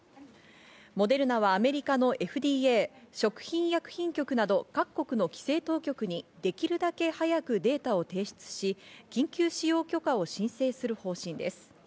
モデルナはアメリカのＦＤＡ＝食品医薬品局など各国の規制当局にできるだけ早くデータを提出し、緊急使用許可を申請する方針です。